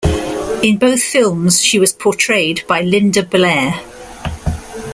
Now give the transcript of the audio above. In both films, she was portrayed by Linda Blair.